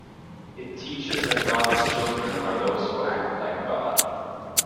It teaches that God's children are those who act like God.